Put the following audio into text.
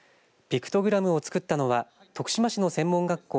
ピクトグラムを作ったのは徳島市の専門学校